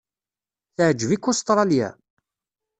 Teɛjeb-ik Ustṛalya?